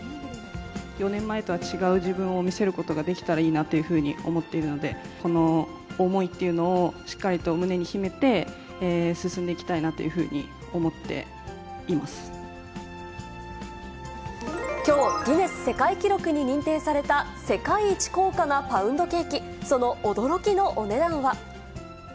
４年前とは違う自分を見せることができたらいいなというふうに思っているので、この思いっていうのを、しっかりと胸に秘めて、進んでいきたいなというふうに思っていまきょう、ギネス世界記録に認定された世界一高価なパウンドケーキ。